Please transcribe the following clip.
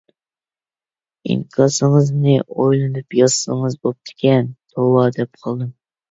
ئىنكاسىڭىزنى ئويلىنىپ يازسىڭىز بوپتىكەن، توۋا دەپ قالدىم.